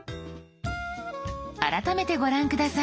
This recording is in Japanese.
改めてご覧下さい。